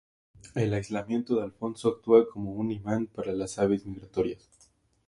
El aislamiento de Alfonso actúa como un imán para las aves migratorias.